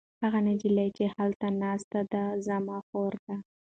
هغه نجلۍ چې هلته ناسته ده زما خور ده.